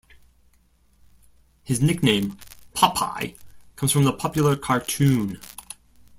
His nickname, Popeye, comes from the popular cartoon.